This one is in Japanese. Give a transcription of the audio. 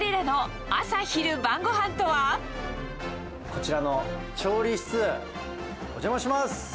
こちらの調理室、お邪魔します。